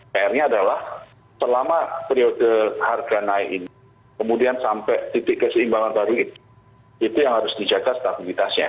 pr nya adalah selama periode harga naik ini kemudian sampai titik keseimbangan baru itu yang harus dijaga stabilitasnya